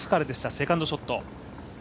セカンドショット。